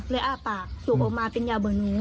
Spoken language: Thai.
เลยอ้าปากสูบออกมาเป็นยาเบือหนู